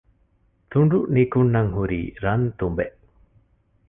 ތުނޑު ނިކުންނަން ހުރީ ރަން ތުނބެއް